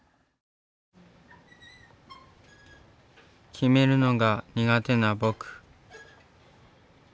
決めるのが苦手な僕。